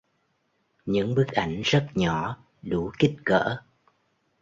Những bức ảnh rất nhỏ đủ kích cỡ